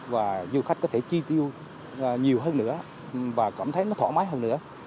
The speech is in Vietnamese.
và du khách có thể chi tiêu nhiều hơn nữa và cảm thấy nó thoải mái hơn nữa